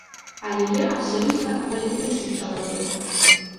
Але я абсалютна апалітычны чалавек.